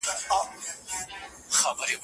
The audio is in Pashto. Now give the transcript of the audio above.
څوک دي د دین په نوم په کلي کي سنګسار کي خلک